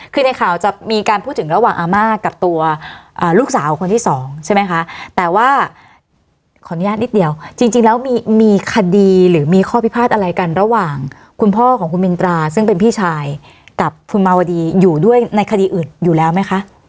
คือในข่าวจะมีการพูดถึงระหว่างอาม่ากับตัวลูกสาวคนที่สองใช่ไหมคะแต่ว่าขออนุญาตนิดเดียวจริงแล้วมีคดีหรือมีข้อพิพาทอะไรกันระหว่างคุณพ่อของคุณมินตราซึ่งเป็นพี่ชายกับคุณมาวดีอยู่ด้วยในคดีอื่นอยู่แล้วไหมคะ